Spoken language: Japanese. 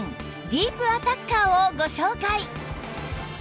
ディープアタッカーをご紹介！